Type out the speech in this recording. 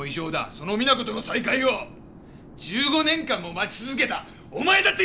その実那子との再会を１５年間も待ち続けたお前だって異常者だ！！